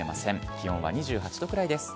気温は２８度くらいです。